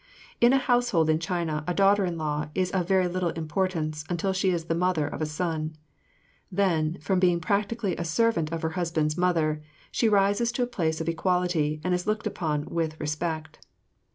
In a household in China a daughter in law is of very little importance until she is the mother of a son. Then, from being practically a servant of her husband's mother, she rises to place of equality and is looked upon with respect.